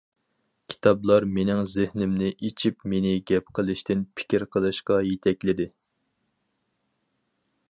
كىتابلار مېنىڭ زېھنىمنى ئېچىپ مېنى گەپ قىلىشتىن پىكىر قىلىشقا يېتەكلىدى.